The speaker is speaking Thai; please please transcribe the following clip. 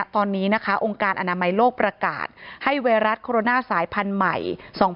ตอนนี้นะคะองค์การอนามัยโลกประกาศให้ไวรัสโคโรนาสายพันธุ์ใหม่